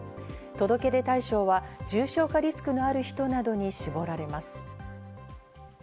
届け出対象は重症化リスクのある人などに絞られます。